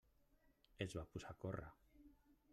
Es va posar a córrer.